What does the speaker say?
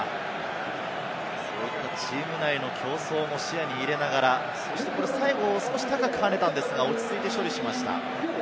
そういったチーム内の競争も視野に入れながら、そして最後、高く跳ねたんですが落ち着いて処理しました。